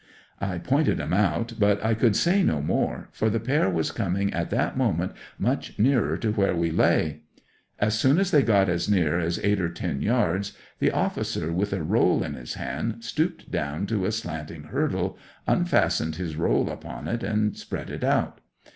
'I pointed 'em out; but I could say no more, for the pair were coming at that moment much nearer to where we lay. As soon as they got as near as eight or ten yards, the officer with a roll in his hand stooped down to a slanting hurdle, unfastened his roll upon it, and spread it out.